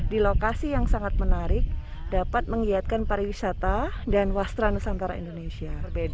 di lokasi yang sangat menarik dapat menggiatkan pariwisata dan wasra nusantara indonesia